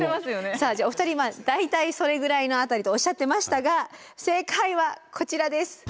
さあお二人大体それぐらいの辺りとおっしゃってましたが正解はこちらです。